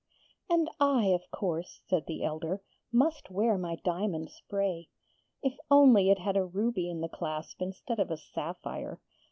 'And I, of course,' said the elder, 'must wear my diamond spray. If only it had a ruby in the clasp instead of a sapphire!